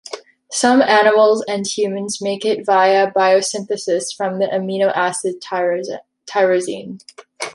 Some animals and humans make it via biosynthesis from the amino acid -tyrosine.